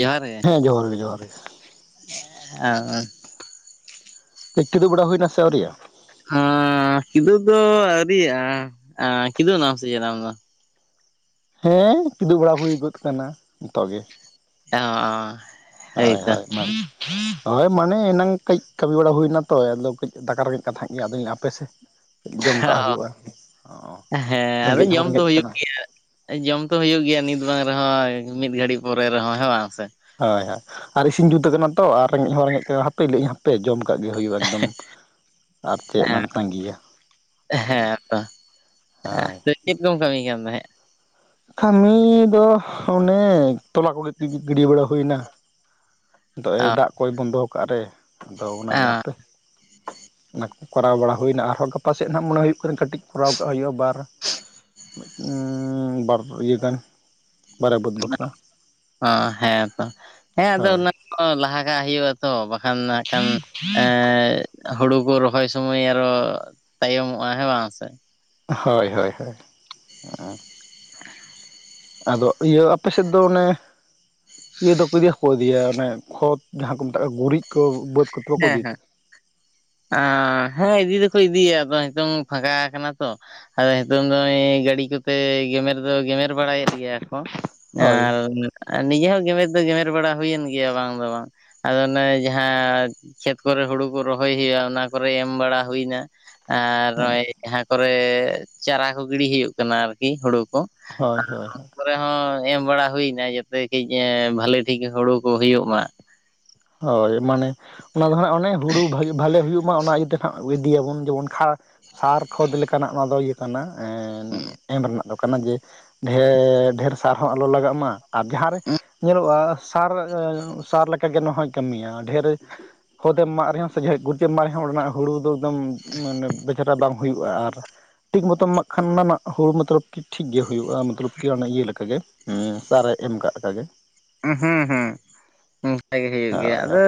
ᱡᱚᱦᱟᱨ ᱜᱮ ᱦᱮᱸ ᱡᱚᱦᱟᱨ ᱜᱮ ᱡᱚᱦᱟᱨ ᱜᱮ ᱠᱤᱫᱩᱵ ᱵᱟᱲᱟ ᱦᱩᱭᱱᱟ ᱥᱮ ᱟᱣᱨᱤᱟᱜ-ᱟ? ᱦᱟᱸ ᱠᱤᱫᱩᱵ ᱫᱚ ᱟᱹᱨᱤᱭᱟᱜ-ᱟ, ᱠᱤᱫᱩᱜ ᱱᱟᱢ ᱥᱮ ᱱᱟᱢ ᱫᱚ? ᱦᱮᱸ ᱠᱤᱫᱩᱵ ᱵᱟᱲᱟ ᱦᱩᱭ ᱜᱚᱫ ᱠᱱᱟ ᱱᱤᱛᱚᱜ ᱜᱮ ᱚ ᱦᱳᱭ ᱦᱳᱭ ᱦᱳᱭ ᱢᱟᱱᱮ ᱮᱱᱟᱝ ᱠᱟᱹᱡ ᱠᱟᱹᱢᱤ ᱵᱟᱲᱟ ᱦᱩᱭᱱᱟ ᱛᱚ ᱟᱫᱚ ᱠᱟᱹᱡ ᱫᱟᱠᱟ ᱨᱮᱜᱮᱡ ᱠᱟᱛᱷᱟᱜ ᱜᱮᱭᱟ ᱟᱫᱚ ᱟᱯᱮ ᱥᱮᱫ ᱚ ᱦᱮᱸ ᱟᱫᱚ ᱨᱮᱸᱜᱮᱡ ᱦᱚᱸ ᱡᱚᱢ ᱛᱚ ᱨᱮᱸᱜᱮᱡ ᱦᱩᱭᱩᱜ ᱠᱟᱱᱟ ᱜᱮᱭᱟ ᱡᱚᱢ ᱛᱚ ᱦᱩᱭᱩᱜ ᱜᱮᱭᱟ ᱱᱤᱛ ᱵᱟᱝ ᱨᱮᱦᱚᱸ ᱢᱤᱫ ᱜᱷᱟᱹᱲᱤᱡ ᱯᱚᱨᱮ ᱨᱮᱦᱚᱸ ᱦᱮᱸ ᱵᱟᱝ ᱥᱮ ᱦᱳᱭ ᱦᱳᱭ ᱟᱨ ᱤᱥᱤᱱ ᱡᱩᱛ ᱠᱟᱱᱟ ᱛᱚ ᱟᱨ ᱨᱮᱸᱜᱮᱡ ᱦᱚᱸ ᱨᱮᱸᱜᱮᱡ ᱦᱟᱯ ᱦᱟᱯᱮ ᱞᱟᱹᱭᱤᱧ ᱦᱟᱯᱮ ᱡᱚᱢ ᱠᱟᱜ ᱜᱮ ᱦᱩᱭᱩᱜ-ᱟ ᱮᱠᱫᱚᱢ ᱟᱨ ᱪᱮᱫ ᱮᱢ ᱛᱟᱸᱜᱤᱭᱟ ᱦᱮ ᱛᱚ ᱪᱮᱫ ᱛᱮᱫᱚᱢ ᱠᱟᱢᱤ ᱠᱟᱱ ᱛᱟᱦᱮᱸᱫ ᱟ ᱠᱟᱹᱢᱤ ᱫᱚ ᱚᱱᱮ ᱛᱚᱞᱟ ᱠᱚᱜᱮ ᱜᱤᱰᱤ ᱵᱟᱲᱟ ᱦᱩᱭᱱᱟ ᱱᱤᱛᱚᱜ ᱫᱟᱜ ᱠᱚᱭ ᱵᱚᱱᱫᱚ ᱠᱟᱜ ᱨᱮ ᱟᱫᱚ ᱚᱱᱟᱜᱮ ᱦᱟᱯᱮ ᱚᱱᱟ ᱠᱚ ᱠᱚᱨᱟᱣ ᱵᱟᱲᱟ ᱦᱩᱭᱱᱟ ᱟᱨᱦᱚᱸ ᱜᱟᱯᱟ ᱥᱮᱫ ᱱᱟᱸᱜ ᱢᱚᱱᱮ ᱦᱩᱭᱩᱜ ᱠᱟᱹᱴᱤᱡ ᱠᱚᱨᱟᱣ ᱠᱟᱜ ᱦᱩᱭᱩᱜ-ᱟ ᱵᱟᱨ ᱵᱟᱨ ᱤᱭᱟᱹ ᱜᱟᱱ ᱵᱟᱨᱭᱟ ᱵᱟᱹᱫᱽ ᱵᱟᱠᱷᱨᱟ ᱚ ᱦᱮᱸᱛᱚ ᱦᱮᱸ ᱟᱫᱚ ᱦᱳᱭ ᱚᱱᱟ ᱦᱚᱸ ᱞᱟᱦᱟ ᱠᱟᱜ ᱦᱩᱭᱩᱜ-ᱟ ᱛᱚ ᱵᱟᱠᱷᱟᱱ ᱟᱜᱠᱷᱟᱱ ᱮ ᱦᱳᱲᱩ ᱠᱚ ᱨᱚᱦᱚᱭ ᱥᱩᱢᱚᱭ ᱟᱨᱚ ᱛᱟᱭᱚᱢᱚᱜ-ᱟ ᱦᱮᱸ ᱵᱟᱝ ᱥᱮ ᱦᱳᱭ ᱦᱳᱭ ᱦᱳᱭ [inaudible] ᱟᱫᱚ ᱤᱭᱟᱹ ᱟᱯᱮ ᱥᱮᱫ ᱫᱚ ᱚᱱᱮ ᱤᱭᱟᱹ ᱫᱚᱠᱚ ᱤᱫᱤᱭᱟᱠᱚ ᱫᱤᱭᱟ ᱚᱱᱮ ᱠᱷᱚᱛ ᱡᱟᱦᱟᱸ ᱠᱚ ᱢᱮᱛᱟᱜ ᱠᱚ ᱜᱩᱨᱤᱡ ᱠᱚ ᱵᱟᱹᱫᱽ ᱠᱚᱫᱚ ᱵᱟᱠᱚ ᱦᱮᱸ ᱤᱫᱤᱭ ᱦᱮᱸ ᱛᱮ ᱟ ᱦᱮᱸ ᱤᱫᱤ ᱫᱚᱠᱚ ᱤᱫᱤᱭᱟ ᱟᱫᱚ ᱱᱤᱛᱚᱝ ᱯᱷᱟᱸᱠᱟ ᱟᱠᱟᱱᱟ ᱛᱚ ᱟ ᱱᱤᱛᱚᱝ ᱫᱚ ᱩᱱᱤ ᱜᱟᱰᱤ ᱠᱚᱛᱮ ᱜᱮᱢᱮᱨ ᱫᱚ ᱜᱮᱢᱮᱨ ᱵᱟᱲᱟᱭᱮᱫ ᱜᱮᱭᱟ ᱠᱚ᱾ ᱦᱳᱭ ᱟᱨ ᱱᱤᱡᱮ ᱦᱚᱸ ᱜᱮᱢᱮᱨ ᱫᱚ ᱜᱮᱢᱮᱨ ᱵᱟᱲᱟ ᱦᱩᱭᱮᱱ ᱜᱮᱭᱟ ᱵᱟᱝ ᱫᱚ ᱵᱟᱝ ᱟᱫᱚ ᱚᱱᱮ ᱡᱟᱦᱟᱸ ᱠᱷᱮᱛ ᱠᱚᱨᱮ ᱦᱩᱲᱩ ᱠᱚ ᱨᱚᱦᱚᱭ ᱦᱩᱭᱩᱜ-ᱟ ᱚᱱᱟ ᱠᱚᱨᱮ ᱮᱢ ᱵᱟᱲᱟ ᱦᱩᱭ ᱱᱟ ᱟᱨ ᱡᱟᱦᱟᱸ ᱠᱚ ᱛᱮ ᱪᱟᱨᱟ ᱠᱚ ᱜᱤᱲᱤ ᱦᱩᱭᱩᱜ ᱠᱟᱱᱟ ᱟᱨᱠᱤ ᱦᱳᱲᱩ ᱠᱚ ᱦᱳᱭ ᱦᱳᱭ ᱦᱳᱭ ᱨᱮᱦᱚᱸ ᱮᱢ ᱵᱟᱲᱟ ᱦᱩᱭᱱᱟ ᱡᱟᱛᱮ ᱠᱟᱹᱡ ᱮ ᱵᱷᱟᱞᱤ ᱴᱷᱤᱠ ᱦᱩᱲᱩ ᱠᱚ ᱦᱩᱭᱩᱜ ᱢᱟ, ᱦᱳᱭ ᱢᱟᱱᱮ ᱚᱱᱟ ᱫᱚ ᱱᱦᱟᱜ ᱚᱱᱮ ᱦᱩᱲᱩ ᱵᱷᱟᱜᱤ ᱵᱷᱟᱞᱮ ᱦᱩᱭᱩᱜ ᱢᱟ ᱚᱱᱟ ᱤᱭᱟᱹᱛᱮ ᱦᱟᱜ ᱤᱫᱤᱭᱟᱵᱚᱱ ᱡᱮᱢᱚᱱ ᱠᱷᱟ ᱥᱟᱨ ᱠᱷᱚᱛ ᱞᱮᱠᱟᱱᱟᱜ ᱚᱱᱟ ᱫᱚ ᱤᱭᱟᱹ ᱠᱟᱱᱟ [unintelligible] ᱨᱮᱱᱟᱜᱼᱼ ᱟᱫᱚ ᱠᱟᱱᱟ ᱡᱮ ᱰᱷᱮ ᱰᱷᱮᱨ ᱥᱟᱨ ᱦᱚᱸ ᱟᱞᱚ ᱞᱟᱜᱟᱜ ᱢᱟ ᱟᱨ ᱡᱟᱦᱟᱸ ᱨᱮ ᱧᱮᱞᱚᱜᱼᱟ ᱥᱟᱨ ᱮ ᱥᱟᱨ ᱞᱮᱠᱟ ᱜᱮ ᱱᱚᱣᱟ ᱦᱚᱭ ᱠᱟᱹᱢᱤᱭᱟ ᱰᱷᱮᱨᱼᱼ ᱠᱷᱚᱫᱮᱢ ᱮᱢᱟᱜ ᱨᱮ ᱦᱚᱸ ᱥᱮ ᱜᱩᱨᱤᱡ ᱮᱢ ᱮᱢᱟᱜ ᱨᱮ ᱦᱚᱸ ᱚᱰᱮᱱᱟᱜ ᱦᱩᱲᱩ ᱫᱚ ᱮᱠᱫᱚᱢ ᱢᱟᱱᱮ [unintelligible] ᱵᱟᱝ ᱦᱩᱭᱩᱜᱼᱟ ᱟᱨ ᱴᱷᱤᱠ ᱢᱚᱛᱚᱢ ᱮᱢᱟᱜ ᱠᱷᱟᱱ ᱱᱟᱜ ᱦᱩᱲᱩ [unintelligible] ᱴᱷᱤᱠ ᱜᱮ ᱦᱩᱭᱩᱜᱼᱟ ᱢᱚᱛᱞᱚᱵ ᱠᱤ ᱤᱭᱟᱹ ᱞᱮᱠᱟ ᱜᱮ ᱥᱟᱨᱮ ᱮᱢ ᱠᱟᱜ ᱞᱮᱠᱟ ᱜᱮᱼᱼ ᱦᱩᱸ ᱦᱩᱸ ᱦᱩᱸ ᱚᱱᱠᱟ ᱜᱮ ᱦᱩᱭᱩᱜ ᱜᱮᱭᱟ ᱦᱳᱭ ᱦᱳᱭ ᱦᱳᱭ ᱟᱫᱚᱼᱼ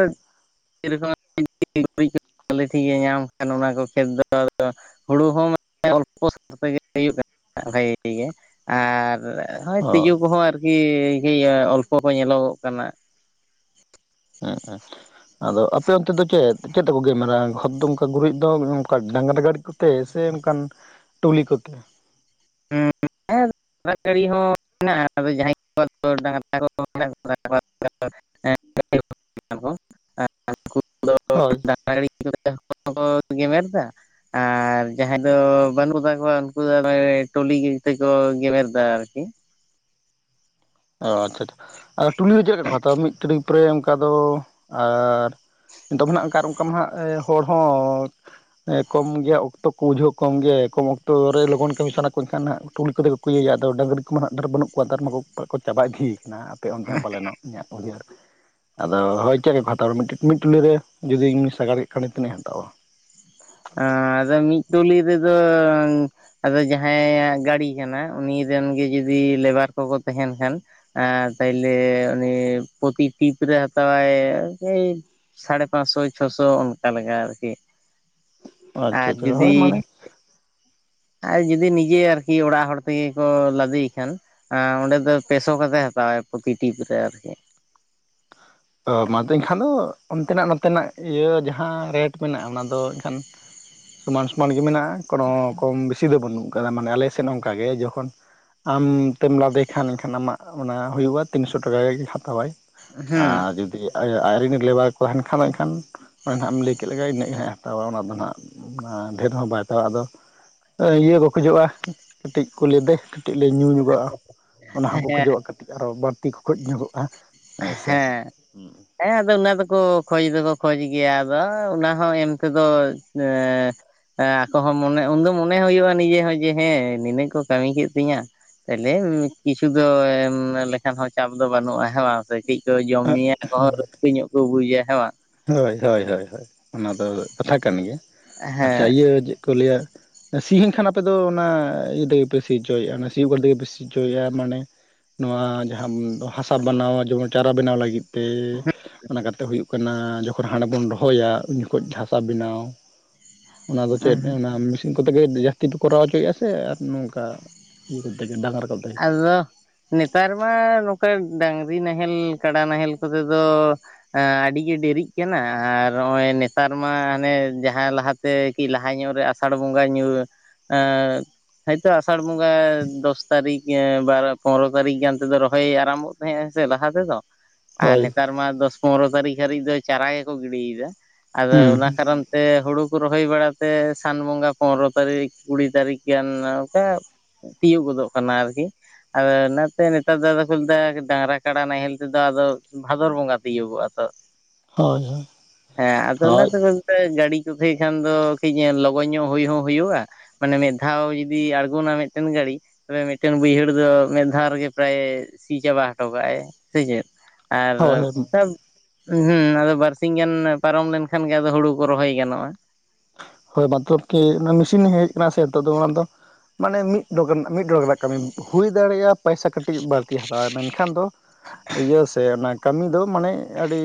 [unintelligible] ᱧᱟᱢ ᱠᱷᱟᱱ ᱚᱱᱟ ᱠᱚ ᱠᱷᱮᱛ ᱫᱚᱼᱼ ᱦᱩᱲᱩ ᱦᱚᱸ ᱢᱟᱱᱮ ᱚᱞᱯᱚ ᱥᱟᱶ ᱛᱮᱜᱮ ᱦᱩᱭᱩᱜ ᱠᱟᱱᱟ ᱵᱷᱟᱜᱤ ᱜᱮ ᱟᱨᱼᱼ ᱦᱚᱭ ᱛᱤᱡᱩ ᱠᱚ ᱦᱚᱸ ᱟᱨᱠᱤ ᱤᱭᱟᱹ ᱚᱞᱯᱚ ᱠᱚ ᱧᱮᱞᱚᱜ ᱠᱟᱱᱟ᱾ ᱦᱮᱸ ᱦᱮᱸ ᱟᱫᱚ ᱟᱯᱮ ᱚᱱᱛᱮ ᱫᱚ ᱪᱮᱫ? ᱪᱮᱫ ᱛᱮ ᱠᱚ ᱜᱮᱢᱮᱨᱟ ᱠᱷᱚᱫ ᱫᱚ ᱚᱱᱠᱟ ᱜᱩᱨᱤᱡ ᱫᱚ ᱚᱱᱠᱟ ᱰᱟᱸᱝᱨᱟ ᱜᱟᱹᱲᱤ ᱠᱚ ᱛᱮ ᱥᱮ ᱚᱱᱠᱟᱱ ᱴᱩᱞᱤ ᱠᱚᱛᱮ [unintelligible] ᱫᱟᱜ ᱡᱟᱹᱲᱤ ᱦᱚᱸ ᱢᱮᱱᱟᱜᱼᱟ ᱡᱟᱦᱟᱸᱭ ᱠᱚ ᱰᱟᱝ ᱠ [unintelligible] ᱦᱳᱭ [unintelligible] ᱠᱚ ᱜᱮᱢᱮᱨ ᱫᱟ ᱾ ᱟᱨ ᱡᱟᱦᱟᱸᱭ ᱫᱚ ᱵᱟᱹᱱᱩᱜ ᱛᱟᱠᱚᱣᱟ ᱩᱱᱠᱩ ᱫᱚᱮ ᱴᱚᱞᱤ ᱛᱮᱠᱚ ᱜᱮᱢᱮᱨ ᱫᱟ ᱟᱨᱠᱤ ᱚ ᱟᱪᱪᱷᱟ ᱟᱪᱪᱷᱟ ᱴᱩᱞᱤ ᱨᱮ ᱪᱮᱫ ᱞᱮᱠᱟ ᱠᱚ ᱦᱟᱛᱟᱣᱟ? ᱢᱤᱫ ᱴᱨᱤᱯ ᱨᱮ ᱚᱱᱠᱟ ᱫᱚ ᱟᱨ [unintelligible] ᱚᱱᱠᱟ ᱢᱟ ᱦᱱᱟᱜ ᱦᱚᱲ ᱦᱚᱸ ᱠᱚᱢ ᱜᱮᱭᱟ ᱚᱠ ᱚᱠᱛᱚ ᱠᱚ ᱵᱩᱡᱷᱟᱹᱣ ᱠᱚᱢ ᱜᱮᱭᱟᱭ, ᱠᱚᱢ ᱚᱠᱛᱚ ᱨᱮ ᱞᱚᱜᱚᱱ ᱠᱟᱹᱢᱤ ᱥᱟᱱᱟ ᱠᱚ ᱮᱱᱠᱷᱟᱱ ᱦᱟᱸᱜ ᱴᱩᱞᱤ ᱠᱚᱫᱚ ᱠᱚ ᱤᱭᱟᱹᱭᱟ ᱟᱫᱚ ᱰᱟᱝᱨᱤ ᱢᱟ ᱦᱟᱜ ᱰᱷᱮᱨ ᱵᱟᱹᱱᱩᱜ ᱠᱚᱣᱟ ᱱᱮᱛᱟᱨ ᱢᱟ ᱠᱚ ᱪᱟᱵᱟ ᱤᱫᱤᱭ ᱠᱟᱱᱟ ᱟᱯᱮ ᱚᱱᱛᱮ ᱦᱚᱸ ᱯᱟᱞᱮᱱᱚᱜ ᱤᱧᱟᱹᱜ ᱩᱭᱦᱟᱹᱨ ᱟᱫᱚ ᱦᱚᱭ ᱪᱮᱫ ᱞᱮᱠᱟ ᱠᱚ ᱟᱫᱚ ᱦᱟᱛᱟᱣᱟ ᱴᱮᱱ ᱢᱤᱫ ᱴᱩᱞᱤ ᱨᱮ ᱡᱩᱫᱤᱧ ᱥᱟᱜᱟᱲ ᱠᱮᱫ ᱠᱷᱟᱱ ᱛᱤᱱᱟᱹᱜᱧ ᱦᱟᱛᱟᱣᱟ᱾ ᱟᱫᱚ ᱢᱤᱫ ᱴᱩᱞᱤ ᱨᱮᱫᱚᱻ ᱟᱫᱚ ᱡᱟᱦᱟᱸᱭᱟᱜ ᱜᱟᱹᱲᱤ ᱠᱟᱱᱟ ᱩᱱᱤ ᱨᱮᱱ ᱜᱮ ᱡᱩᱫᱤ ᱞᱮᱵᱟᱨ ᱠᱚᱠᱚ ᱛᱟᱦᱮᱱ ᱠᱷᱟᱱ ᱮ ᱯᱟᱭᱞᱮ ᱩᱱᱤ ᱯᱨᱚᱛᱤ ᱴᱤᱯ ᱨᱮ ᱦᱟᱛᱟᱣᱟᱭ ᱮᱭ ᱥᱟᱲᱮ ᱯᱟᱸᱪᱥᱚ ᱪᱷᱚᱥᱚ ᱚᱱᱠᱟ ᱞᱮᱠᱟ ᱟᱨᱠᱤ ᱾ ᱟᱪᱪᱷᱟ ᱟᱨ ᱟᱪᱪᱷᱟ ᱦᱳᱭ ᱡᱩᱫᱤ ᱢᱟᱱᱮ ᱟᱨ ᱡᱩᱫᱤ ᱱᱤᱡᱮ ᱟᱨᱠᱤ ᱚᱲᱟᱜ ᱦᱚᱲ ᱛᱮᱜᱮ ᱠᱚ ᱞᱟᱫᱮᱭ ᱠᱷᱟᱱ ᱾ ᱚᱸᱰᱮ ᱫᱚ ᱯᱮᱥᱚ ᱠᱟᱛᱮᱫ ᱦᱟᱛᱟᱣᱟᱭ ᱯᱩᱛᱤ ᱴᱤᱯ ᱨᱮ ᱟᱨᱠᱤ ᱾ ᱚ ᱢᱟᱛᱚ ᱮᱱᱠᱷᱟᱱ ᱫᱚ ᱚᱱᱛᱮᱱᱟᱜ ᱱᱚᱛᱮᱱᱟᱜ ᱤᱭᱟᱹ ᱡᱟᱦᱟᱸ ᱨᱮᱴ ᱢᱮᱱᱟᱜᱼᱟ ᱚᱱᱟ ᱫᱚ ᱮᱱᱠᱷᱟᱱ ᱥᱚᱢᱟᱱ ᱥᱚᱢᱟᱱ ᱜᱮ ᱢᱮᱱᱟᱜᱼᱟ, ᱠᱳᱱᱳ ᱠᱚᱢ ᱵᱮᱥᱤ ᱫᱚ ᱵᱟᱹᱱᱩᱜ ᱠᱟᱫᱟ ᱢᱟᱱᱮ ᱟᱞᱮ ᱥᱮᱫ ᱚᱱᱠᱟ ᱜᱮ ᱡᱚᱠᱷᱚᱱ ᱟᱢ ᱛᱮᱢ ᱞᱟᱫᱮ ᱠᱷᱟᱱ ᱮᱱᱠᱷᱟᱱ ᱟᱢᱟᱜ ᱚᱱᱟ ᱦᱩᱭᱩᱜᱼᱟ ᱛᱤᱱᱥᱚ ᱴᱟᱠᱟ ᱜᱮ ᱦᱟᱛᱟᱣᱟᱭ ᱾ ᱦᱩᱸ ᱟᱨ ᱡᱩᱫᱤ ᱟᱡᱨᱮᱱ ᱞᱮᱵᱟᱨ ᱠᱚ ᱛᱟᱦᱮᱱ ᱠᱷᱟᱱ ᱮᱱᱠᱷᱟᱱ ᱢᱟᱱᱮ ᱱᱟᱦᱟᱜ ᱮᱢ ᱞᱟᱹᱭ ᱠᱮᱫ ᱞᱮᱜᱟ ᱤᱱᱟᱹᱜ ᱜᱮ ᱱᱟᱦᱟᱜᱮ ᱦᱟᱛᱟᱣᱟ ᱚᱱᱟ ᱫᱚ ᱱᱟᱦᱟᱜ᱾ ᱚᱱᱟ ᱰᱷᱮᱨ ᱦᱚ ᱵᱟᱭ ᱦᱟᱛᱟᱣᱟ ᱟᱫᱚ, ᱤᱭᱟᱹ ᱠᱚ ᱠᱷᱚᱡᱚᱜᱼᱟ ᱠᱟᱹᱴᱤᱡ [unintelligible] ᱾ ᱠᱟᱹᱴᱤᱡ ᱞᱮ ᱧᱩ ᱧᱚᱜᱚᱜ-ᱟ ᱚᱱᱟ ᱦᱚᱸᱠᱚ ᱦᱮᱸ ᱠᱷᱚᱡᱚᱜ-ᱟ ᱠᱟᱹᱴᱤᱡ ᱟᱨᱚ ᱵᱟᱹᱲᱛᱤ ᱠᱚ ᱠᱷᱚᱡ ᱧᱚᱜᱚᱜ-ᱟ ᱦᱮᱸ ᱥᱮ ᱦᱮᱸ ᱟᱫᱚ ᱚᱱᱟ ᱫᱚᱠᱚ ᱠᱷᱚᱡ ᱫᱚᱠᱚ ᱠᱷᱚᱡ ᱜᱮᱭᱟ, ᱟᱫᱚ ᱚᱱᱟ ᱦᱚᱸ ᱮᱢ ᱛᱮᱫᱚ ᱮᱸᱻ ᱦᱮᱸ ᱟᱠᱚ ᱦᱚᱸ ᱢᱚᱱᱮ ᱩᱱᱫᱚ ᱢᱚᱱᱮ ᱦᱩᱭᱩᱜᱼᱟ ᱱᱤᱡᱮ ᱦᱚᱸ ᱡᱮ ᱦᱮᱸ ᱱᱤᱱᱟᱹᱜ ᱠᱚ ᱠᱟᱹᱢᱤ ᱠᱮᱫ ᱛᱤᱧᱟ ᱾ ᱛᱟᱦᱞᱮ ᱠᱤᱪᱷᱩ ᱫᱚ ᱮᱢ ᱞᱮᱠᱷᱟᱱ ᱦᱚᱸ ᱪᱟᱯ ᱫᱚ ᱵᱟᱹᱱᱩᱜᱼᱟ ᱦᱮ ᱵᱟᱝ ᱾ ᱠᱟᱹᱴᱤᱡ ᱠᱚ ᱡᱚᱢ ᱧᱩᱭᱟ ᱟᱠᱚ ᱦᱚᱸ ᱨᱟᱹᱥᱠᱟᱹ ᱧᱚᱜ ᱠᱚ ᱵᱩᱡᱟ ᱦᱮᱸ ᱵᱟᱝ ᱦᱳᱭ ᱦᱳᱭ ᱦᱳᱭ ᱦᱳᱭ ᱚᱱᱟ ᱫᱚ ᱠᱟᱛᱷᱟ ᱠᱟᱱ ᱜᱮᱭᱟ ᱟᱪᱪᱷᱟ ᱦᱮᱸ ᱤᱭᱟᱹ ᱪᱮᱫ ᱠᱚ ᱞᱟᱹᱭᱟ ᱥᱤ ᱦᱩᱭᱮᱱ ᱠᱷᱟᱱ ᱟᱯᱮ ᱫᱚ ᱚᱱᱟ ᱤᱭᱟᱹ ᱛᱮᱜᱮ ᱯᱮ ᱥᱤ ᱦᱚᱪᱚᱭᱮᱫᱼᱟ, ᱚᱱᱟ ᱥᱤᱭᱳᱜ ᱜᱟᱹᱰᱤ ᱛᱮᱜᱮ ᱯᱮ ᱥᱤ ᱦᱚᱪᱚᱭᱮᱫᱼᱟ ᱢᱟᱱᱮ ᱱᱚᱣᱟ ᱡᱟᱦᱟᱸᱢ ᱦᱟᱥᱟ ᱵᱮᱱᱟᱣᱟ, ᱡᱮᱢᱚᱱ ᱪᱟᱨᱟ ᱵᱮᱱᱟᱣ ᱞᱟᱹᱜᱤᱫ ᱛᱮ ᱾ ᱚᱱᱟ ᱠᱟᱛᱮ ᱦᱩᱭᱩᱜ ᱠᱟᱱᱟ ᱡᱚᱠᱷᱚᱱ ᱦᱟᱸᱰᱮ ᱵᱚᱱ ᱨᱚᱦᱚᱭᱟ ᱩᱱ ᱡᱚᱠᱷᱚᱡ ᱦᱟᱥᱟ ᱵᱮᱱᱟᱣ ᱚᱱᱟ ᱫᱚ ᱪᱮᱫ ᱤᱱ ᱠᱚᱛᱮ ᱜᱮ ᱡᱟᱹᱥᱛᱤ ᱯᱮ ᱠᱚᱨᱟᱣ ᱦᱚᱪᱚᱭᱮᱫ-ᱟ ᱥᱮ ᱟᱨ ᱱᱚᱝᱠᱟ ᱤᱭᱟᱹ ᱠᱚᱛᱮ ᱜᱮ ᱰᱟᱝᱨᱟ ᱠᱚᱛᱮ ᱟᱫᱚ ᱱᱮᱛᱟᱨ ᱢᱟ ᱱᱚᱝᱠᱟ ᱰᱟᱝᱨᱤ ᱱᱟᱦᱮᱞ ᱠᱟᱰᱟ ᱱᱟᱦᱮᱞ ᱠᱚᱛᱮ ᱫᱚ ᱟᱹᱰᱤ ᱜᱮ ᱰᱮᱨᱤᱜ ᱠᱟᱱᱟ ᱟᱨ ᱱᱚᱜ-ᱚᱭ ᱱᱮᱛᱟᱨ ᱢᱟ ᱦᱟᱱᱮ ᱡᱟᱦᱟᱸ ᱞᱟᱦᱟ ᱛᱮ ᱛᱮ ᱠᱤ ᱞᱟᱦᱟ ᱧᱚᱜ ᱨᱮ ᱟᱥᱟᱲ ᱵᱚᱸᱜᱟ ᱧᱩ ᱦᱚᱭ ᱛᱚ ᱟᱥᱟᱲ ᱵᱚᱸᱜᱟ ᱫᱚᱥ ᱛᱟᱨᱤᱠᱷ ᱵᱟᱨᱚ ᱯᱚᱱᱨᱚ ᱛᱟᱨᱤᱠᱷ ᱜᱟᱱ ᱛᱮᱫᱚ ᱨᱚᱦᱚᱭ ᱟᱨᱟᱢᱵᱚᱜ ᱛᱟᱦᱮᱸᱜᱼᱟ ᱥᱮ ᱞᱟᱦᱟ ᱛᱮᱫᱚ ᱾ ᱟᱨ ᱦᱳᱭ ᱱᱮᱛᱟᱨ ᱢᱟ ᱫᱚᱥ ᱯᱚᱱᱨᱚ ᱛᱟᱹᱨᱤᱠᱷ ᱦᱟᱹᱨᱤᱡ ᱫᱚ ᱪᱟᱨᱟ ᱜᱮᱠᱚ ᱜᱤᱰᱤᱭᱮᱫᱟ, ᱟᱫᱚ ᱦᱩᱸ ᱚᱱᱟ ᱠᱟᱨᱚᱱ ᱥᱮ ᱦᱩᱲᱩ ᱠᱚ ᱨᱚᱦᱚᱭ ᱵᱟᱲᱟ ᱛᱮ ᱥᱟᱱ ᱵᱚᱸᱜᱟ ᱯᱚᱱᱫᱨᱚ ᱛᱟᱹᱨᱤᱠᱷ ᱠᱩᱲᱤ ᱛᱟᱨᱤᱠᱷ ᱜᱟᱱ ᱚᱱᱠᱟ ᱛᱤᱭᱳᱜ ᱜᱚᱫᱚᱜ ᱠᱟᱱᱟ ᱟᱨᱠᱤ ᱾ ᱟᱫᱚ ᱚᱱᱟᱛᱮ ᱱᱮᱛᱟᱨ ᱫᱚ ᱟᱫᱚ ᱠᱚ ᱞᱟᱹᱭ ᱫᱟ ᱰᱟᱝᱨᱟ ᱠᱟᱰᱟ ᱱᱟᱦᱮᱞ ᱛᱮᱫᱚ ᱟᱫᱚ ᱵᱷᱟᱫᱚᱨ ᱵᱚᱸᱜᱟ ᱛᱤᱭᱩᱜᱚᱜᱼᱟ ᱦᱳᱭ ᱾ ᱦᱮᱸ ᱟᱫᱚ ᱚᱱᱟ ᱦᱳᱭ ᱠᱟᱹ ᱜᱟᱹᱰᱤ ᱠᱚᱛᱮ ᱠᱷᱟᱱ ᱫᱚ ᱠᱟᱹᱡ ᱞᱚᱜᱚᱱ ᱧᱚᱜ ᱦᱩᱭ ᱦᱚᱸ ᱦᱩᱭᱩᱜᱼᱟ ᱾ ᱢᱟᱱᱮ ᱢᱤᱫ ᱫᱷᱟᱣ ᱡᱩᱫᱤ ᱟᱲᱜᱚᱱᱟ ᱢᱤᱫᱴᱮᱱ ᱜᱟᱹᱲᱤ ᱾ ᱛᱚᱵᱮ ᱢᱤᱫᱴᱮᱱ ᱵᱟᱹᱭᱦᱟᱹᱲ ᱫᱚ ᱢᱤᱫ ᱫᱷᱟᱣ ᱨᱮᱜᱮ ᱯᱨᱟᱭ ᱥᱤ ᱪᱟᱵᱟ ᱦᱚᱴᱚ ᱠᱟᱜᱼᱟᱭ ᱥᱮ ᱪᱮᱫ? ᱦᱳᱭ ᱟᱨ ᱦᱳᱭ [unintelligible] ᱦᱩᱸ ᱟᱫᱚ ᱵᱟᱨᱥᱤᱧ ᱜᱟᱱ ᱯᱟᱨᱚᱢ ᱞᱮᱱᱠᱷᱟᱱ ᱜᱮ ᱟᱫᱚ ᱦᱩᱲᱩ ᱠᱚ ᱨᱚᱦᱚᱭ ᱜᱟᱱᱚᱜᱼᱟ ᱾ ᱦᱳᱭ ᱵᱟᱛᱚᱨ ᱛᱮ ᱢᱟᱱᱮ ᱢᱮᱥᱤᱱ ᱦᱮᱡ ᱟᱠᱟᱱᱟ ᱥᱮ ᱱᱤᱛᱚᱜ ᱫᱚ ᱟᱫᱚ ᱾ ᱢᱟᱱᱮ ᱢᱤᱫ [unintelligible] ᱢᱤᱫ ᱰᱚᱜᱟᱨ ᱨᱮᱱᱟᱜ ᱠᱟᱹᱢᱤ ᱦᱩᱭ ᱫᱟᱲᱮᱭᱟᱜ-ᱟ ᱯᱚᱭᱥᱟ ᱠᱟᱹᱴᱤᱡ ᱵᱟᱝ ᱛᱤ ᱦᱟᱛᱟᱣᱟᱭ ᱢᱮᱱᱠᱷᱟᱱ ᱫᱚ ᱤᱭᱟᱹ ᱥᱮ ᱚᱱᱟ ᱠᱟᱹᱢᱤ ᱫᱚ ᱢᱟᱱᱮ ᱟᱹᱰᱤ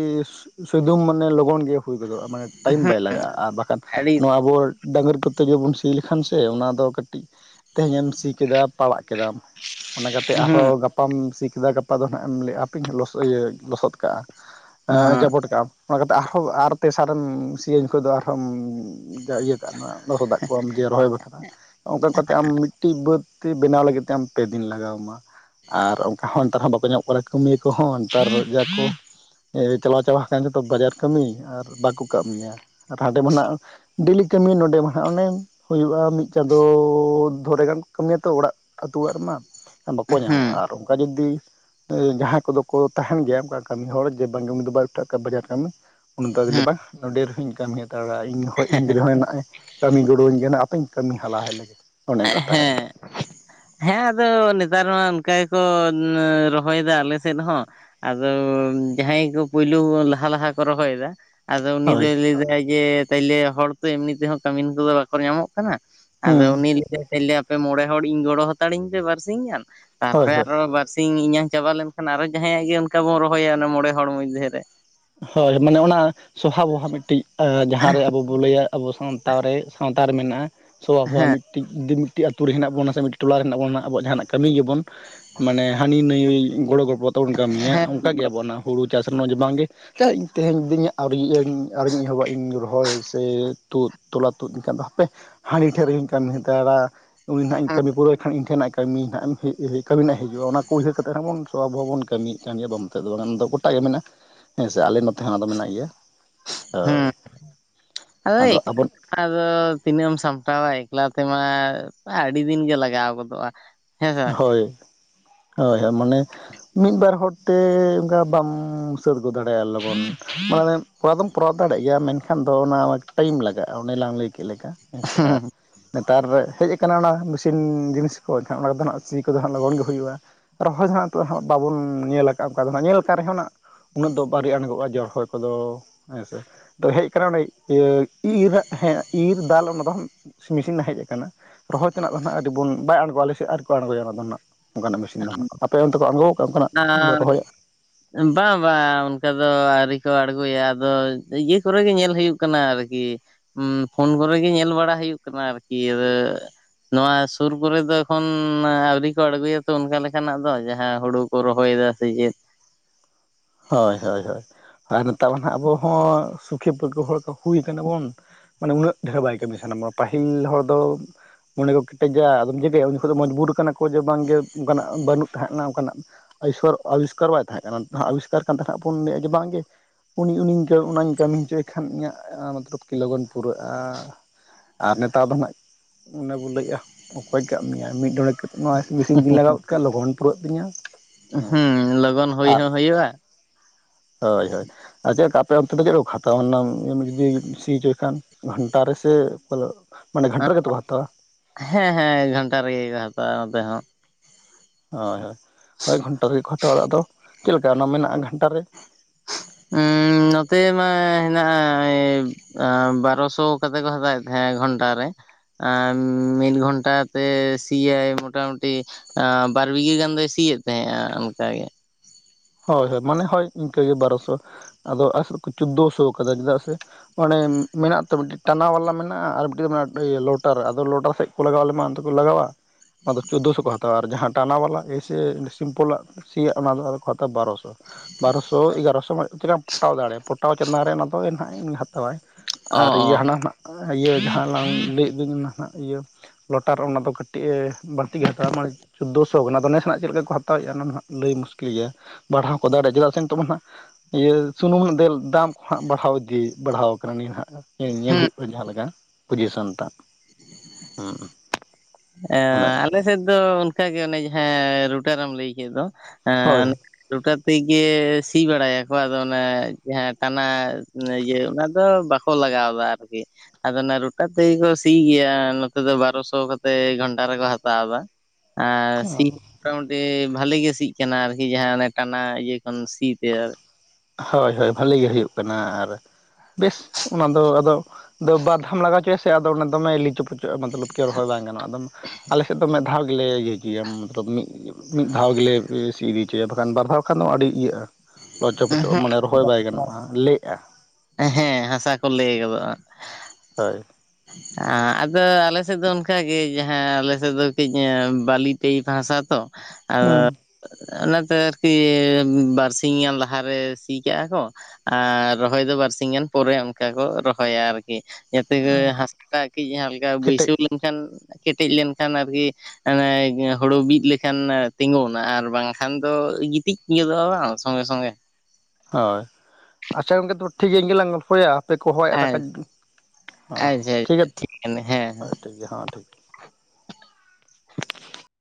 ᱥᱩᱫᱩᱢ ᱢᱟᱱᱮ ᱞᱚᱜᱚᱱ ᱜᱮᱼᱼ ᱦᱩᱭ ᱜᱚᱫᱚᱜᱼᱟ ᱢᱟᱱᱮ ᱴᱟᱭᱤᱢ ᱵᱟᱭ ᱞᱟᱜᱟᱜᱼᱟ ᱟᱨ [unintelligible] ᱟᱹᱰᱤ ᱱᱚᱣᱟ ᱟᱵᱚ ᱰᱟᱝᱨᱤ ᱠᱚ ᱛᱮ ᱜᱮᱵᱚᱱ ᱥᱤ ᱞᱮᱠᱷᱟᱱ ᱥᱮ ᱚᱱᱟ ᱫᱚ ᱠᱟᱹᱴᱤᱡᱼᱼ ᱛᱮᱦᱮᱧ ᱮᱢ ᱥᱤ ᱠᱮᱫᱟ ᱯᱟᱲᱟᱜ ᱠᱮᱫᱟᱢ ᱚᱱᱟ ᱠᱟᱛᱮ ᱟᱨ ᱦᱩᱸ ᱦᱚᱸ ᱜᱟᱯᱟᱢ ᱥᱤ ᱠᱮᱫᱟ ᱜᱟᱯᱟ ᱫᱚ ᱱᱟᱦᱟᱜ ᱮᱢ ᱞᱟᱹᱭᱟ ᱦᱟᱯᱮᱧ ᱤᱭᱟᱹ ᱞᱚᱥᱚᱫ ᱠᱟᱜᱼᱟ ᱦᱚᱸ ᱡᱟᱵᱚᱴ ᱠᱟᱜᱼᱟᱢ ᱚᱱᱟ ᱠᱟᱛᱮ ᱟᱨ ᱦᱚᱸ ᱟᱨ ᱛᱮᱥᱟᱨ ᱮᱢ ᱥᱤᱭᱟᱹ [unintelligible] ᱫᱚ ᱟᱨᱦᱚᱢᱼᱼ ᱤᱭᱟᱹ ᱠᱟᱜ ᱞᱚᱥᱚᱫᱟᱜ ᱠᱚᱣᱟᱢ ᱡᱮ ᱨᱚᱦᱚᱭ ᱵᱟᱠᱷᱨᱟ ᱚᱱᱠᱟ ᱚᱱᱠᱟ ᱛᱮ ᱟᱢ ᱢᱤᱫ ᱴᱤᱡ ᱵᱟᱹᱫᱽᱼᱼ ᱛᱮ ᱵᱮᱱᱟᱣ ᱞᱟᱹᱜᱤᱫ ᱛᱮ ᱟᱢ ᱯᱮ ᱫᱤᱱ ᱞᱟᱜᱟᱣ ᱟᱢᱟ ᱟᱨ ᱚᱱᱠᱟ ᱦᱚᱸ ᱱᱮᱛᱟᱨ ᱦᱚᱸ ᱵᱟᱠᱚ ᱧᱟᱢᱚᱜ ᱠᱟᱱᱟ᱾ ᱠᱟᱹᱢᱤᱭᱟᱹ ᱠᱚ ᱦᱚᱸ ᱱᱮᱛᱟᱨ ᱡᱟ ᱠᱚᱼᱼ ᱪᱟᱞᱟᱣ ᱪᱟᱵᱟ ᱟᱠᱟᱱ ᱡᱚᱛᱚ ᱵᱟᱡᱟᱨ ᱠᱟᱹᱢᱤ ᱟᱨ ᱵᱟᱠᱚ ᱠᱟᱹᱢᱤᱭᱟ ᱟᱨ ᱦᱟᱸᱰᱮ ᱢᱟ ᱱᱟᱦᱟᱜᱼᱼ ᱰᱤᱞᱤ ᱠᱟᱹᱢᱤ ᱱᱚᱸᱰᱮ ᱢᱟᱦᱟᱸᱜ ᱚᱱᱮᱢᱼᱼ ᱦᱩᱭᱩᱜᱼᱟ ᱢᱤᱫ ᱪᱟᱸᱫᱳ ᱫᱷᱚᱨᱮ ᱜᱟᱱ ᱠᱚ ᱠᱟᱹᱢᱤᱭᱟ ᱛᱚ ᱚᱲᱟᱜ ᱟᱹᱛᱩ ᱚᱲᱟᱜ ᱨᱮᱢᱟ ᱵᱟᱠᱚ ᱦᱩᱸ ᱧᱟᱢᱚᱜᱼᱟ ᱟᱨ ᱚᱱᱠᱟ ᱡᱩᱫᱤᱼᱼ ᱡᱟᱦᱟᱸᱭ ᱠᱚ ᱫᱚ ᱠᱚ ᱛᱟᱦᱮᱸᱱ ᱜᱮᱭᱟ ᱚᱱᱠᱟ ᱠᱟᱹᱢᱤ ᱦᱚᱲ ᱡᱮ ᱵᱟᱝ ᱜᱮ ᱩᱱᱤ ᱫᱚ ᱵᱟᱭ ᱩᱴᱷᱟᱹᱜᱼᱟ ᱵᱟᱡᱟᱨ ᱠᱟᱹᱢᱤ ᱚᱱᱠᱟ ᱫᱚᱭ ᱦᱩᱸ ᱞᱟᱹᱭᱟ ᱵᱟᱝ ᱱᱚᱸᱰᱮ ᱨᱮᱦᱚᱧ [unintelligible] ᱠᱟᱹᱢᱤ ᱦᱟᱛᱟᱲᱟ ᱤᱧ ᱡᱚᱠᱷᱚᱡ ᱤᱧ ᱨᱮ ᱦᱚᱸ ᱱᱟᱦᱟᱜᱼᱮ ᱠᱟᱹᱢᱤ ᱜᱚᱲᱚᱣᱟᱹᱧ ᱜᱮᱭᱟ ᱦᱟᱯᱮᱧ ᱠᱟᱹᱢᱤ ᱦᱟᱞᱟ ᱦᱟᱭ ᱞᱮ ᱜᱮ ᱚᱱᱮ ᱚᱱᱠᱟ ᱦᱮᱸ ᱛᱟᱦᱮᱸᱱᱟ᱾ ᱦᱮᱸ ᱟᱫᱚ ᱱᱮᱛᱟᱨ ᱢᱟ ᱚᱱᱠᱟ ᱜᱮ ᱠᱚ ᱨᱚᱦᱚᱭ ᱮᱫᱟ ᱟᱞᱮ ᱥᱮᱫ ᱦᱚᱸ ᱟᱫᱚ ᱡᱟᱦᱟᱸᱭ ᱠᱚ ᱯᱳᱭᱞᱳ ᱞᱟᱦᱟ ᱞᱟᱦᱟ ᱠᱚ ᱨᱚᱦᱚᱭ ᱮᱫᱟ ᱟᱫᱚ ᱩᱱᱤ ᱦᱳᱭ ᱫᱚᱭ ᱞᱟᱹᱭ ᱫᱟᱭ ᱡᱮ ᱛᱟᱭᱞᱮ ᱦᱚᱲ ᱛᱚ ᱮᱢᱱᱤ ᱛᱮᱦᱚᱸ ᱠᱟᱹᱢᱤᱱ ᱠᱚᱫᱚ ᱵᱟᱠᱚ ᱧᱟᱢᱚᱜ ᱠᱟᱱᱟ᱾ ᱟᱫᱚ ᱦᱩᱸ ᱩᱱᱤ ᱞᱟᱹᱭ ᱫᱟᱭ ᱛᱟᱭᱞᱮ ᱟᱯᱮ ᱢᱚᱬᱮ ᱦᱚᱲ ᱤᱧ ᱜᱚᱲᱚ ᱦᱟᱛᱟᱲᱤᱧ ᱯᱮ ᱵᱟᱨᱥᱤᱧ ᱜᱟᱱ ᱛᱟᱨ ᱦᱳᱭ ᱯᱚᱨᱮ ᱦᱳᱭ ᱟᱨᱦᱚᱸ ᱵᱟᱨᱥᱤᱧ ᱥᱤᱧ ᱤᱧᱟᱝ ᱪᱟᱵᱟ ᱞᱮᱱ ᱠᱷᱟᱱ ᱟᱨᱚ ᱡᱟᱦᱟᱸᱭᱟᱜ ᱜᱮ ᱚᱱᱠᱟ ᱵᱚᱱ ᱨᱚᱦᱚᱭᱟ ᱚᱱᱟ ᱢᱚᱬᱮ ᱦᱚᱲ ᱢᱚᱫᱽᱫᱷᱮ ᱨᱮᱼᱼ ᱦᱳᱭ ᱢᱟᱱᱮ ᱚᱱᱟ ᱥᱚᱦᱟ ᱵᱚᱦᱟ ᱢᱤᱫ ᱴᱤᱡ ᱡᱟᱦᱟᱸ ᱨᱮ ᱟᱵᱚᱼᱼ ᱵᱚ ᱞᱟᱹᱭᱟ ᱟᱵᱚ ᱥᱟᱶᱛᱟ ᱨᱮ ᱥᱟᱶᱛᱟ ᱨᱮ ᱢᱮᱱᱟᱜᱼᱟ ᱥᱚ ᱟᱵᱚᱣᱟᱜ ᱢᱤᱫ ᱴᱤᱡ ᱡᱩᱫᱤ ᱢᱤᱫ ᱴᱤᱡ ᱢᱤᱫ ᱴᱤᱡ ᱟᱹᱛᱳ ᱨᱮ ᱦᱮᱱᱟᱜ ᱵᱚᱱᱟ ᱥᱮ ᱢᱤᱫ ᱴᱚᱞᱟ ᱨᱮ ᱦᱮᱱᱟᱜ ᱵᱚᱱᱟ ᱟᱵᱚ ᱡᱟᱦᱟᱸᱱᱟᱜ ᱠᱟᱹᱢᱤ ᱜᱮᱵᱚᱱ ᱢᱟᱱᱮ ᱦᱟᱹᱱᱤ ᱱᱟᱹᱭ ᱜᱚᱲᱚ ᱜᱚᱯᱲᱚᱼᱼ ᱡᱚᱛᱚ ᱵᱚᱱ ᱦᱮᱸ ᱠᱟᱹᱢᱤᱭᱟ ᱚᱱᱠᱟ ᱜᱮ ᱟᱵᱚᱱᱟᱜ ᱚᱱᱟ ᱦᱩᱲᱩ ᱪᱟᱥ ᱨᱮ ᱱᱚᱜ ᱡᱮ ᱵᱟᱝ ᱜᱮ ᱤᱧ ᱛᱮᱦᱮᱧ ᱫᱤᱧᱟᱜ ᱟᱹᱣᱨᱤᱭᱟᱹᱜ ᱟᱹᱧ ᱟᱹᱣᱨᱤᱧ ᱮᱦᱚᱵᱟ ᱤᱧ ᱨᱚᱦᱚᱭ ᱥᱮ ᱛᱩᱫ ᱛᱚᱞᱟ ᱛᱩᱫ ᱮᱠᱷᱟᱱ ᱫᱚ ᱦᱟᱯᱮ ᱦᱟᱺᱱᱤ ᱴᱷᱮᱱ ᱨᱮ ᱦᱚᱸᱧ ᱠᱟᱹᱢᱤ ᱦᱟᱛᱟᱲᱟ ᱩᱱᱤ ᱦᱟᱸᱜ ᱤᱧ ᱠᱟᱹᱢᱤ ᱯᱩᱨᱟᱹᱣ ᱟᱭ ᱠᱷᱟᱱ ᱤᱧ ᱴᱷᱮᱱ ᱦᱟᱸᱜ ᱠᱟᱹᱢᱤ ᱦᱟᱸᱜ ᱮᱢ ᱦᱮᱡᱼᱼᱼ ᱠᱟᱹᱢᱤ ᱱᱟᱜ ᱦᱤᱡᱩᱜᱼᱟ ᱚᱱᱟ ᱠᱚ ᱩᱭᱦᱟᱹᱨ ᱠᱟᱛᱮᱫ ᱦᱟᱸᱜ ᱵᱚᱱ ᱟᱵᱚ ᱵᱚᱱ ᱠᱟᱹᱢᱤᱭ ᱮᱫ ᱠᱟᱱ ᱜᱮᱭᱟ ᱵᱟᱝ ᱢᱮᱱ ᱛᱮᱫ ᱫᱚ ᱵᱟᱝ ᱚᱱᱟ ᱫᱚ ᱜᱚᱴᱟ ᱜᱮ ᱢᱮᱱᱟᱜᱼᱟ ᱦᱮᱸ ᱥᱮ ᱟᱞᱮ ᱱᱚᱛᱮ ᱦᱚᱸ ᱟᱫᱚ ᱢᱮᱱᱟᱜ ᱜᱮᱭᱟ ᱦᱩᱸ ᱦᱳᱭ ᱟᱫᱚ ᱮᱠᱞᱟ ᱟᱵᱚ ᱛᱮᱢᱟ ᱟᱫᱚ ᱛᱤᱱᱟᱹᱜ ᱮᱢ ᱥᱟᱢᱴᱟᱣᱟ ᱮᱠᱞᱟ ᱛᱮᱢᱟ ᱟᱹᱰᱤ ᱫᱤᱱ ᱜᱮ ᱞᱟᱜᱟᱣ ᱜᱚᱫᱚᱜᱼᱟ ᱦᱮᱸ ᱥᱮ ᱦᱳᱭ ᱦᱳᱭ ᱦᱳᱭ ᱢᱟᱱᱮ ᱢᱤᱫ ᱵᱟᱨ ᱦᱚᱲᱼᱼ ᱛᱮ ᱚᱱᱠᱟ ᱵᱟᱢ ᱥᱟᱹᱛ ᱜᱚᱫ ᱫᱟᱲᱮᱭᱟᱜᱼᱟ ᱞᱚᱜᱚᱱ ᱢᱟᱱᱮ ᱠᱚᱨᱟᱣ ᱫᱚᱢ ᱠᱚᱨᱟᱣ ᱫᱟᱲᱮᱭᱟᱜ ᱜᱮᱭᱟ ᱢᱮᱱ ᱠᱷᱟᱱᱼᱼ ᱮᱱ ᱠᱷᱟᱱ ᱫᱚ ᱚᱱᱟ ᱴᱟᱭᱤᱢ ᱞᱟᱜᱟᱜᱼᱟ ᱚᱱᱮ ᱞᱟᱝ ᱞᱟᱹᱭ ᱠᱮᱫ ᱞᱮᱠᱟᱼᱼ ᱦᱮᱸ ᱵᱟᱝ ᱥᱮ ᱟᱨ ᱱᱮᱛᱟᱨ ᱦᱮᱡ ᱟᱠᱟᱱᱟ ᱚᱱᱟ ᱢᱮᱥᱤᱱ ᱡᱤᱱᱤᱥ ᱠᱚ ᱮᱱᱠᱷᱟᱱ ᱚᱱᱟ, ᱚᱱᱠᱟᱱᱟᱜ ᱥᱤ ᱠᱚᱫᱚ ᱦᱟᱜ ᱞᱚᱜᱚᱱ ᱜᱮ ᱦᱩᱭᱩᱜᱼᱟ᱾ ᱨᱚᱦᱚᱭ ᱦᱚᱸ ᱱᱟᱦᱟᱜ ᱱᱤᱛᱚᱜ ᱫᱚ ᱦᱟᱸᱜ ᱵᱟᱵᱚᱱ ᱧᱮᱞ ᱟᱠᱟᱫᱼᱟ ᱚᱱᱠᱟ ᱫᱚ ᱱᱦᱟᱜ ᱧᱮᱞ ᱟᱠᱟᱫ ᱨᱮᱦᱚᱸ ᱱᱟᱜ, ᱩᱱᱟᱹᱜ ᱫᱚ ᱵᱟᱨᱤᱡ ᱟᱬᱜᱚᱜᱼᱟ ᱡᱚᱲ ᱦᱚᱭ ᱠᱚᱫᱚ ᱦᱮᱸ ᱥᱮ᱾ ᱟᱫᱚ ᱦᱮᱡ ᱠᱟᱱᱟ ᱚᱱᱮ ᱤᱭᱟᱹ ᱤᱨ ᱦᱮᱸ ᱤᱨ ᱫᱟᱞ ᱚᱱᱟ ᱫᱚ ᱢᱮᱥᱤᱱ ᱦᱮᱡ ᱠᱟᱱᱟ᱾ ᱨᱚᱦᱚᱭ ᱛᱮᱱᱟᱜ ᱫᱚ ᱱᱦᱟᱜ ᱟᱹᱰᱤ ᱵᱚᱱ ᱵᱟᱭ ᱟᱬᱜᱚ ᱟᱞᱮᱥᱮᱜᱼᱟᱨᱠᱤ, ᱟᱬᱜᱚᱭᱟ ᱚᱱᱟ ᱫᱚ ᱱᱦᱟᱜ ᱚᱱᱠᱟᱱᱟᱜ ᱢᱤᱥᱤᱱ ᱫᱚ ᱱᱟᱜ ᱟᱯᱮ ᱚᱱᱛᱮ ᱠᱚ ᱟᱬᱜᱚ ᱟᱠᱟᱜᱼᱟ ᱚᱱᱠᱟᱱᱟᱜ ᱨᱚᱦᱚᱭᱟᱜ᱾ [inaudible] ᱵᱟᱝ ᱵᱟᱝ ᱚᱱᱠᱟ ᱫᱚ ᱟᱹᱣᱨᱤ ᱠᱚ ᱟᱬᱜᱚᱭᱟ ᱟᱫᱚ ᱤᱭᱟᱹ ᱠᱚᱨᱮ ᱜᱮ ᱧᱮᱞ ᱦᱩᱭᱩᱜ ᱠᱟᱱᱟ ᱟᱨᱠᱤ᱾ ᱦᱩᱸ ᱯᱷᱳᱱ ᱠᱚᱨᱮ ᱜᱮ ᱧᱮᱞ ᱵᱟᱲᱟ ᱦᱩᱭᱩᱜ ᱠᱟᱱᱟ ᱟᱨᱠᱤ, ᱱᱚᱣᱟ ᱥᱩᱨ ᱠᱚᱨᱮ ᱫᱚ ᱮᱠᱷᱚᱱ ᱟᱹᱣᱨᱤ ᱠᱚ ᱟᱬᱜᱚᱭᱟ᱾ ᱛᱚ ᱚᱱᱠᱟ ᱞᱮᱠᱟᱱᱟᱜ ᱫᱚ ᱡᱟᱦᱟᱸ ᱦᱩᱲᱩ ᱠᱚ ᱨᱚᱦᱚᱭ ᱮᱫᱟ ᱥᱮ ᱪᱮᱫ᱾ ᱦᱚᱭ ᱦᱚᱭ ᱦᱚᱭ ᱟᱨ ᱱᱮᱛᱟᱨ ᱢᱟ ᱦᱟᱜ ᱟᱵᱚ ᱦᱚᱸ ᱥᱩᱠᱷᱮ ᱯᱟᱹᱨᱠᱟᱣ ᱦᱚᱲ ᱠᱚ ᱦᱩᱭ ᱠᱟᱱᱟ ᱵᱚᱱ, ᱢᱟᱱᱮ ᱩᱱᱟᱹᱜ ᱰᱷᱮᱨ ᱵᱟᱭ ᱠᱟᱹᱢᱤ ᱥᱟᱱᱟ ᱢᱟ ᱯᱟᱹᱦᱤᱞ ᱦᱚᱲ ᱫᱚ, ᱢᱚᱱᱮ ᱠᱚ ᱠᱮᱴᱮᱡᱟ ᱟᱫᱚᱢ ᱡᱮᱜᱟ ᱩᱱ ᱠᱷᱚᱭᱡ ᱫᱚ ᱢᱚᱡᱽᱵᱩᱨ ᱠᱟᱱᱟ ᱠᱚ ᱡᱮ ᱵᱟᱝ ᱜᱮ ᱚᱱᱠᱟ ᱱᱟᱜ ᱵᱟᱹᱱᱩᱜ ᱛᱟᱦᱮᱸᱱᱟ ᱚᱱᱠᱟ ᱱᱟᱜ᱾ ᱟᱵᱤᱥᱠᱟᱨ ᱟᱵᱤᱥᱠᱟᱨ ᱵᱟᱭ ᱛᱟᱦᱮᱸ ᱠᱟᱱᱟ ᱟᱵᱤᱥᱠᱟᱨ ᱠᱟᱱ ᱛᱟᱦᱮᱸᱜ ᱯᱷᱚᱱ ᱞᱟᱹᱭᱮᱜᱮ ᱵᱟᱝ ᱜᱮ᱾ ᱩᱱᱤ ᱩᱱᱤ ᱤᱠᱟᱹᱣ ᱚᱱᱟᱧ ᱠᱟᱹᱢᱤ ᱦᱚᱪᱚᱭᱮ ᱠᱷᱟᱱ ᱤᱧᱟᱹᱜ ᱢᱚᱛᱞᱚᱵ ᱠᱤ ᱞᱚᱜᱚᱱ ᱯᱩᱨᱟᱹᱜᱼᱟ᱾ ᱟᱨ ᱱᱮᱛᱟᱨ ᱫᱚ ᱦᱟᱸᱜ ᱚᱱᱮ ᱵᱚ ᱞᱟᱹᱭᱮᱜᱼᱟ ᱚᱠᱚᱭ ᱠᱟᱜᱼᱢᱤᱟᱹᱭᱟ ᱢᱤᱫ ᱰᱚᱬᱮᱠ, ᱱᱚᱣᱟ ᱮᱥᱤᱱ ᱢᱮᱥᱤᱱ ᱜᱤᱧ ᱞᱟᱜᱟᱣ ᱠᱟᱱ ᱞᱚᱜᱚᱱ ᱯᱩᱨᱟᱹᱜ ᱛᱤᱧᱟᱹ᱾ ᱦᱮᱸ ᱥᱮ᱾ ᱦᱩᱸ ᱞᱚᱜᱚᱱ ᱦᱳᱭ ᱟᱨ ᱦᱚᱸ ᱦᱳᱭᱳᱜᱼᱟ᱾ ᱦᱳᱭ ᱦᱳᱭ ᱟᱨ ᱪᱮᱫᱠᱟ ᱟᱯᱮ ᱚᱱᱛᱮ ᱫᱚ ᱪᱮᱫ ᱠᱚ ᱠᱷᱟᱛᱟᱣᱟ ᱚᱱᱟᱢ [unintelligible] ᱡᱩᱫᱤᱢ ᱥᱤ ᱚᱪᱚᱭ ᱠᱷᱟᱱ᱾ ᱜᱷᱚᱱᱴᱟ ᱨᱮᱥᱮ ᱯᱟᱞᱮᱜ ᱢᱟᱱᱮ ᱜᱷᱟᱱᱴᱟ ᱨᱮ ᱜᱮ ᱛᱚ ᱠᱚ ᱦᱟᱛᱟᱣᱟ᱾ ᱦᱮᱸ ᱦᱮᱸ ᱮ ᱜᱷᱚᱱᱴᱟ ᱨᱮᱜᱮ ᱠᱚ ᱦᱟᱛᱟᱣᱟ ᱱᱚᱛᱮ ᱦᱚᱸ᱾ ᱦᱳᱭ ᱦᱳᱭ ᱦᱳᱭ ᱜᱷᱚᱱᱴᱟ ᱨᱮᱜᱮ ᱠᱚ ᱦᱟᱛᱟᱣᱟ ᱟᱫᱚ ᱪᱮᱜ ᱞᱮᱠᱟ ᱚᱱᱟ ᱢᱮᱱᱟᱜᱼᱟ ᱜᱷᱟᱱᱴᱟ ᱨᱮ, ᱚᱸ ᱱᱚᱛᱮ ᱢᱟ ᱦᱮᱱᱟᱜᱼᱟ, ᱵᱟᱨᱚᱥᱚ ᱠᱟᱛᱮᱜ ᱠᱚ ᱦᱟᱛᱟᱣᱮᱫ ᱛᱟᱦᱮᱸᱼᱟ ᱜᱷᱚᱱᱴᱟ ᱨᱮ᱾ ᱮᱱ ᱢᱤᱫ ᱜᱷᱚᱱᱴᱟ ᱛᱮ ᱥᱤᱭᱟᱭ ᱢᱚᱴᱟᱢᱩᱴᱤ, ᱵᱟᱨ ᱵᱤᱜᱷᱟᱹ ᱜᱟᱱ ᱫᱚᱭ ᱥᱤᱭᱮᱫ ᱛᱟᱦᱮᱸᱜᱼᱟ ᱚᱱᱠᱟᱜᱮ᱾ ᱦᱳᱭ ᱦᱳᱭ ᱢᱟᱱᱮ ᱦᱳᱭ ᱤᱝᱠᱟᱹ ᱜᱮ ᱵᱟᱨ ᱥᱚ ᱟᱫᱚ ᱟᱞᱮ ᱥᱮᱜ ᱠᱚ ᱪᱳᱫᱫᱳ ᱥᱚ ᱠᱟᱫᱟ ᱪᱮᱫᱟᱜ ᱥᱮ, ᱢᱟᱱᱮ ᱢᱮᱱᱟᱜ ᱛᱚ ᱢᱤᱫᱴᱮᱱ ᱴᱟᱱᱟᱣ ᱣᱟᱞᱟ ᱢᱮᱱᱟᱜᱼᱟ ᱟᱨ ᱢᱤᱫᱴᱮᱱ ᱫᱚ ᱢᱮᱱᱟᱜᱼᱟ ᱞᱚᱴᱟᱨ ᱟᱫᱚ ᱞᱚᱴᱟᱨ ᱥᱮᱜ, ᱞᱟᱜᱟᱣᱟ ᱟᱞᱮᱢᱟ ᱚᱸᱛᱮ ᱠᱚ ᱞᱟᱜᱟᱣᱟ᱾ ᱚᱱᱟ ᱫᱚ ᱪᱳᱫᱽᱫᱳ ᱥᱚ ᱠᱚ ᱦᱟᱛᱟᱣᱟ ᱟᱨ ᱡᱟᱦᱟᱸ ᱴᱟᱱᱟᱣ ᱣᱟᱞᱟ ᱮ ᱥᱮ ᱥᱤᱢᱯᱚᱞᱟᱜ ᱥᱤᱭᱟᱜ ᱚᱱᱟ ᱫᱚ, ᱠᱚ ᱦᱟᱛᱟᱣᱟ ᱵᱟᱨᱚᱥᱚ ᱵᱟᱨᱚᱥᱚ ᱮᱜᱟᱨᱚᱥᱚ ᱢᱮᱜ ᱪᱮᱠᱟᱢ, ᱯᱚᱴᱟᱣ ᱫᱟᱲᱮᱭᱟ ᱯᱚᱴᱟᱣ ᱪᱟᱸᱫᱟᱱ ᱨᱮ ᱚᱱᱟᱫᱚ ᱮ ᱱᱟᱦᱟᱜ ᱤᱧ ᱦᱟᱛᱟᱣᱟᱭ ᱚ ᱟᱨ ᱚ ᱤᱭᱟᱹ ᱦᱟᱱᱟ ᱱᱟᱜ᱾ ᱤᱭᱟᱹ ᱡᱟᱦᱟᱸ ᱞᱟᱝ ᱞᱟᱹᱭᱫᱟᱹᱧ ᱚᱱᱟ ᱱᱟᱜ ᱤᱭᱟ, ᱞᱚᱴᱟᱨ ᱚᱱᱟᱫᱚ ᱠᱟᱹᱴᱤᱡ ᱮ ᱵᱟᱹᱲᱛᱤᱜᱮ ᱦᱟᱛᱟᱣᱟ ᱢᱟᱱᱮ, ᱪᱳᱫᱽᱫᱳ ᱥᱚ ᱠᱟᱱᱟ ᱟᱫᱚ ᱱᱮᱥᱱᱟᱜ ᱪᱮᱫ ᱞᱮᱠᱟ ᱠᱚ ᱦᱟᱛᱟᱣᱮᱜᱼᱟ ᱚᱱᱟ ᱫᱚ ᱱᱟᱜ ᱞᱟᱹᱭ ᱢᱩᱥᱠᱤᱞ ᱜᱮᱭᱟ ᱾ᱵᱟᱲᱦᱟᱣ ᱠᱚ ᱫᱟᱲᱮᱭᱟᱜᱼᱟ ᱪᱮᱫᱟᱜ ᱥᱮ ᱱᱤᱛᱚᱜ ᱢᱟ ᱱᱟᱦᱟᱜ, ᱤᱭᱟᱹ ᱥᱩᱱᱩᱢ ᱫᱮᱞ ᱫᱟᱢ ᱠᱚᱦᱟᱸᱜ ᱵᱟᱲᱦᱟᱣ ᱤᱫᱤ ᱵᱟᱲᱦᱟᱣ ᱠᱟᱱᱟ ᱱᱤᱭᱟᱹ ᱦᱟᱸᱜ᱾ ᱧᱮ ᱧᱮᱞ ᱦᱩᱸ ᱦᱩᱭᱩᱜ ᱠᱟᱱᱟ ᱡᱟᱦᱟᱸ ᱞᱮᱠᱟ ᱯᱚᱡᱤᱥᱚᱱ ᱴᱟᱜ ᱦᱩᱸ᱾ ᱚᱱᱮ ᱟᱞᱮ ᱥᱮᱫ ᱫᱚ ᱚᱱᱠᱟᱜᱮ ᱚᱱᱮ ᱡᱟᱦᱟᱸ ᱨᱩᱴᱟᱨᱟᱢ ᱞᱟᱹᱭ ᱠᱮᱫ ᱫᱚ, ᱦᱳᱭ ᱦᱳᱭ᱾ ᱨᱚᱴᱟᱨ ᱛᱮᱜᱮ ᱥᱤ ᱵᱟᱲᱟᱭᱟᱠᱚ ᱟᱫᱚ ᱚᱱᱮ ᱡᱟᱦᱟᱸ ᱴᱟᱱᱟ, ᱚᱱᱮ ᱤᱭᱟᱹ ᱚᱱᱟ ᱫᱚ ᱵᱟᱠᱚ ᱞᱟᱜᱟᱣ ᱫᱟ ᱟᱨᱠᱤ᱾ ᱟᱫᱚ ᱚᱱᱟ ᱨᱩᱴᱟᱨ ᱛᱮᱜᱮ ᱠᱚ ᱥᱤ ᱜᱤᱭᱟ ᱱᱚᱛᱮ ᱫᱚ ᱵᱟᱨᱚᱥᱚ ᱠᱟᱛᱮ, ᱯᱮ ᱜᱷᱚᱱᱴᱟ ᱨᱮᱠᱚ ᱦᱟᱛᱟᱣ ᱫᱟ ᱟᱨ ᱥᱤ, ᱢᱚᱴᱟᱢᱩᱴᱤ ᱵᱷᱟᱞᱮ ᱜᱮ ᱥᱤᱜ ᱠᱟᱱᱟ ᱟᱨᱠᱤ ᱡᱟᱦᱟᱸ ᱚᱱᱮ ᱴᱟᱱᱟ ᱤᱭᱟᱹ ᱠᱷᱚᱱ ᱥᱤ ᱛᱮ ᱟᱨ, ᱦᱳᱭ ᱦᱳᱭ ᱵᱷᱟᱹᱞᱮ ᱜᱮ ᱦᱩᱭᱩᱜ ᱠᱟᱱᱟ ᱟᱨ ᱵᱮᱥ ᱚᱱᱟ ᱫᱚ ᱟᱫᱚ ᱫᱚ ᱵᱟᱨ ᱫᱷᱟᱢ ᱞᱟᱜᱟᱣ ᱪᱚᱭᱟ ᱥᱮ ᱟᱫᱚ ᱚᱱᱟ ᱫᱚᱢᱮ ᱞᱤᱪᱚ ᱯᱚᱪᱚ, ᱼᱟ ᱢᱚᱛᱞᱚᱵ ᱠᱤ ᱨᱚᱦᱚᱭ ᱵᱟᱝ ᱜᱟᱱᱚᱜᱼᱟ ᱟᱫᱚᱢ ᱟᱞᱮᱥᱮᱫ ᱫᱚ ᱢᱮᱫ ᱫᱷᱟᱣ ᱨᱮ ᱜᱮᱞᱮ ᱤᱭᱟᱹ ᱪᱚᱭᱟ ᱢᱚᱛᱞᱚᱵ ᱢᱤᱜ, ᱢᱤᱫ ᱫᱷᱟᱣ ᱜᱮᱞᱮ ᱵᱮ ᱥᱤ ᱤᱫᱤ ᱦᱚᱪᱚᱭᱟ ᱵᱟᱠᱷᱟᱱ ᱵᱟᱨ ᱫᱷᱟᱣ ᱠᱷᱟᱱ ᱫᱚ ᱟᱹᱰᱤ ᱤᱭᱟᱹᱜᱼᱟ᱾ ᱪᱚᱜ ᱢᱟᱱᱮ ᱨᱚᱦᱚᱭ ᱵᱟᱭ ᱜᱟᱱᱚᱜᱼᱟ ᱞᱮᱜᱼᱟ᱾ ᱦᱮᱸ ᱦᱟᱥᱟ ᱠᱚ ᱞᱮᱭ ᱜᱚᱫᱚᱜᱼᱟ᱾ ᱦᱳᱭ᱾ ᱟᱸ ᱟᱫᱚ ᱟᱞᱮ ᱥᱮᱫ ᱫᱚ ᱚᱱᱠᱟᱜᱮ ᱡᱟᱦᱟᱸ ᱟᱞᱮ ᱥᱮᱫ ᱫᱚ ᱠᱟᱹᱡ ᱮᱸ ᱵᱟᱹᱞᱤ᱾ [unintelligible] ᱦᱟᱥᱟ ᱛᱚ ᱟᱨᱚ᱾ ᱦᱩᱸ ᱚᱱᱟᱛᱮ ᱟᱨᱠᱤ ᱵᱟᱨᱥᱤᱧ ᱜᱟᱱ ᱞᱟᱦᱟᱨᱮ ᱥᱤ ᱠᱟᱜᱼᱟ ᱠᱚ᱾ ᱟᱨ ᱨᱚᱦᱚᱭ ᱫᱚ ᱵᱟᱨᱥᱤᱝ ᱜᱟᱱ ᱯᱚᱨᱮ ᱚᱱᱠᱟ ᱠᱚ ᱨᱚᱦᱚᱭᱟ ᱟᱨᱼᱼ ᱠᱤ ᱡᱟᱛᱮ ᱠᱚᱨᱮ ᱦᱟᱥᱟᱴᱟᱜ ᱠᱤᱡ ᱦᱟᱞᱠᱟ ᱠᱮᱴᱮᱡ ᱵᱟᱹᱭᱥᱟᱹᱣ ᱞᱮᱱᱠᱷᱟᱱ ᱠᱮᱴᱮᱡ ᱞᱮᱱᱠᱷᱟᱱ ᱟᱨᱠᱤᱼᱼ ᱟᱱᱮ ᱦᱳᱲᱳ ᱵᱤᱫ ᱞᱮᱠᱷᱟᱱ ᱛᱤᱸᱜᱳᱱᱟ ᱟᱨ ᱵᱟᱝᱠᱷᱟᱱ ᱫᱚ ᱜᱤᱛᱤᱡ᱾ ᱜᱚᱫᱚᱜᱼᱟ ᱵᱟᱝ ᱥᱚᱸᱜᱮ ᱥᱚᱸᱜᱮ᱾ ᱦᱳᱭ ᱟᱪᱪᱷᱟ ᱜᱚᱝᱠᱮ ᱛᱚᱵᱮ ᱴᱷᱤᱠ ᱜᱮᱭᱟ ᱤᱝᱠᱟᱹ ᱞᱟᱝ ᱜᱚᱞᱯᱷᱚᱭᱟ᱾ ᱛᱮ ᱠᱚ ᱦᱚᱦᱚᱭᱮᱜᱼᱟ ᱫᱟᱠᱟ ᱟᱪ ᱡᱚᱢ ᱦᱚᱸ ᱟᱪᱪᱷᱟ ᱴᱷᱤᱠ ᱜᱮᱭᱟ ᱟᱪᱪᱷᱟ ᱛᱚ ᱦᱮᱸ ᱦᱮᱸ ᱦᱳᱭ ᱴᱷᱤᱠ ᱜᱮᱭᱟ ᱦᱚᱸ ᱴᱷᱤᱠ ᱜᱮᱭᱟ᱾